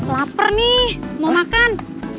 laper nih mau makan